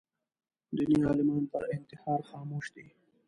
دیني عالمان پر انتحار خاموش دي